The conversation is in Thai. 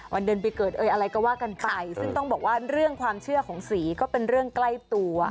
เดือนปีเกิดเอ้ยอะไรก็ว่ากันไปซึ่งต้องบอกว่าเรื่องความเชื่อของสีก็เป็นเรื่องใกล้ตัว